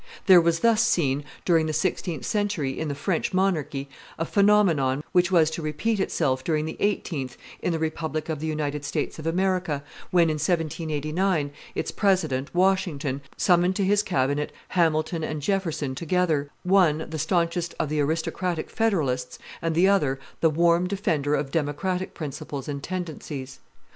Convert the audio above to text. There was thus seen, during the sixteenth century, in the French monarchy, a phenomenon which was to repeat itself during the eighteenth in the republic of the United States of America, when, in 1789, its president, Washington, summoned to his cabinet Hamilton and Jefferson together, one the stanchest of the aristocratic federalists and the other the warm defender of democratic principles and tendencies.